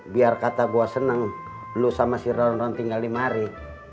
biar kata gua seneng lu sama si ron ron tinggal lima hari